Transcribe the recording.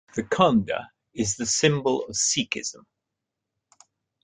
The Khanda is the symbol of Sikhism.